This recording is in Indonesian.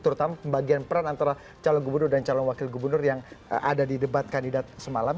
terutama pembagian peran antara calon gubernur dan calon wakil gubernur yang ada di debat kandidat semalam